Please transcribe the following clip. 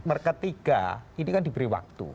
mereka tiga ini kan diberi waktu